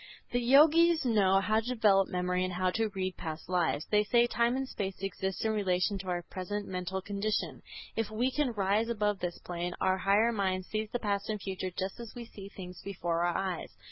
The Yogis know how to develop memory and how to read past lives. They say, time and space exist in relation to our present mental condition; if we can rise above this plane, our higher mind sees the past and future just as we see things before our eyes.